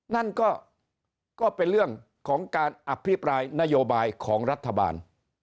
นั่นก็เป็นเรื่องของการอภิปรายนโยบายของรัฐบาล